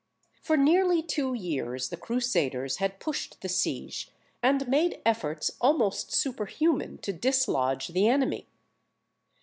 For nearly two years the Crusaders had pushed the siege, and made efforts almost superhuman to dislodge the enemy.